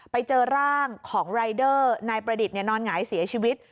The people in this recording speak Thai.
ไปเจอร่างของรายเดอร์นายประดิษฐ์นอนหงายเสียชีวิต